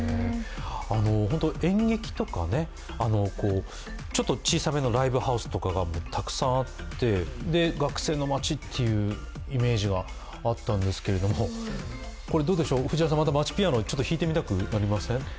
演劇とかちょっと小さめのライブハウスとかがたくさんあって学生の街っていうイメージがあったんですけれども、藤原さんまたまちピアノ弾いてみたくなりません？